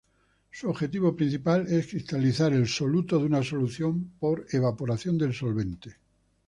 Su objetivo principal es cristalizar el soluto de una solución, por evaporación del solvente.